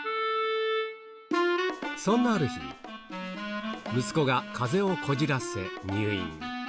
そんなある日、息子がかぜをこじらせ、入院。